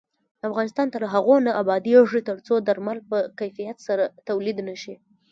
افغانستان تر هغو نه ابادیږي، ترڅو درمل په کیفیت سره تولید نشي.